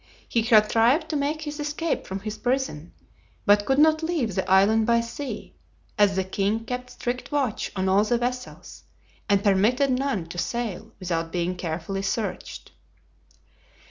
He contrived to make his escape from his prison, but could not leave the island by sea, as the king kept strict watch on all the vessels, and permitted none to sail without being carefully searched.